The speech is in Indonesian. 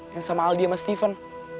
yang sama aldi sama steven